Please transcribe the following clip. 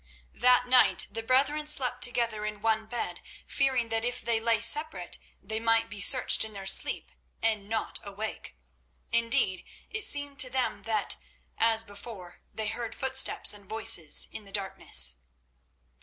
That night the brethren slept together in one bed, fearing that if they lay separate they might be searched in their sleep and not awake. Indeed, it seemed to them that, as before, they heard footsteps and voices in the darkness.